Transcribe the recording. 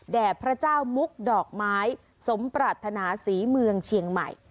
พระเจ้ามุกดอกไม้สมปรารถนาศรีเมืองเชียงใหม่